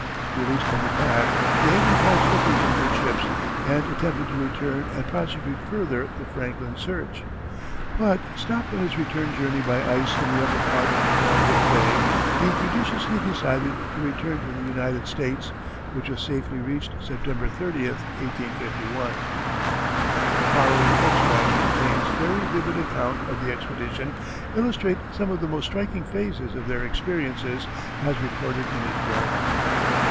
Released from the pack, DeHaven patched up his injured ships and attempted to return and prosecute further the Franklin search; but, stopped in his return journey by ice in the upper part of Melville Bay, he judiciously decided to return to the United States, which was safely reached September 30, 1851. The following extracts from Kane's very vivid account of the expedition illustrate some of the most striking phases of their experiences as recorded in his journal.